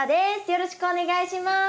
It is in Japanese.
よろしくお願いします。